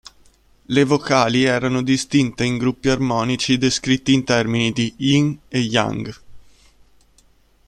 Le vocali erano distinte in gruppi armonici descritti in termini di "yin" e "yang".